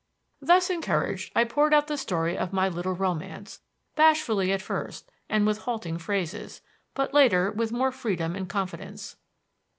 Thus encouraged, I poured out the story of my little romance; bashfully at first and with halting phrases, but later, with more freedom and confidence.